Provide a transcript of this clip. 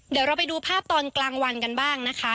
เดี๋ยวเราไปดูภาพตอนกลางวันกันบ้างนะคะ